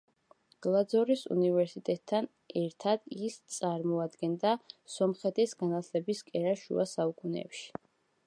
გლაძორის უნივერსიტეტთან ერთად ის წარმოადგენდა სომხეთის განათლების კერას შუა საუკუნეებში.